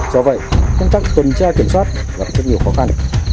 do vậy công tác tuần tra kiểm soát gặp rất nhiều khó khăn